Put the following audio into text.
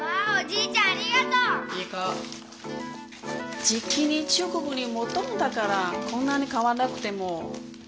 じきに中国にもどるんだからこんなに買わなくても。